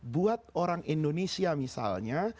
buat orang indonesia misalnya